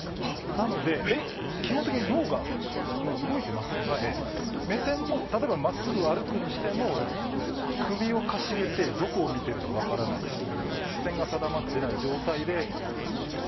なので、基本的に脳が動いていませんので目線も例えば真っすぐ歩くにしても首をかしげてどこを見ているか分からない視線が定まっていない状態で。